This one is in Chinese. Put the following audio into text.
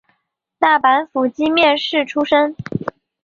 大阪府箕面市出生。